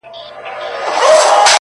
را سهید سوی، ساقي جانان دی،